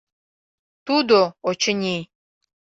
— Тудо, очыни...»